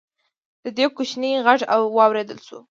ډډ کوچيانی غږ واورېدل شو: